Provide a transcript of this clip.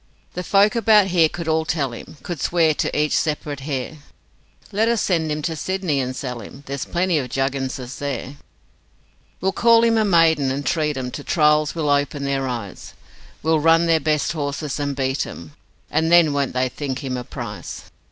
The folk about here could all tell him, Could swear to each separate hair; Let us send him to Sydney and sell him, There's plenty of Jugginses there. 'We'll call him a maiden, and treat 'em To trials will open their eyes, We'll run their best horses and beat 'em, And then won't they think him a prize.